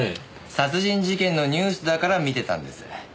殺人事件のニュースだから見てたんです。